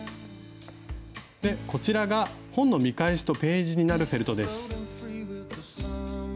こちらが本の見返しとページになるフェルトです。